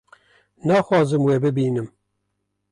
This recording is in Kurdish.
naxwazim we bibînim